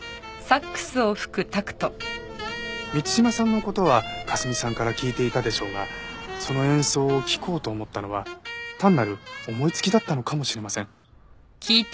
満島さんの事は香澄さんから聞いていたでしょうがその演奏を聴こうと思ったのは単なる思いつきだったのかもしれません。